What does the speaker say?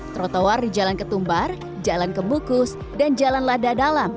trotoar di jalan ketumbar jalan kemukus dan jalan lada dalam